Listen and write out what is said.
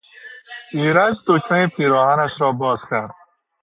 ایرج دکمهی پیراهنش را باز کرد.